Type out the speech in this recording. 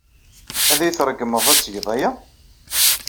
Ad iyi-tṛeggmed ad tged aya?